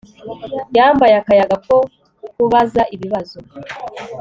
Yambaye akayaga ko kubaza ibibazo